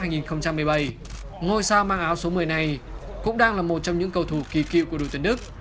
ngôi sao mang áo số một mươi này cũng đang là một trong những cầu thủ kỳ cựu của đội tuyển đức